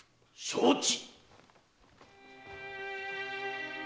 承知。